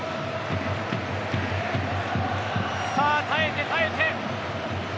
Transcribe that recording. さあ耐えて耐えて。